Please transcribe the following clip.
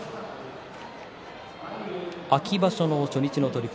秋場所の初日の取組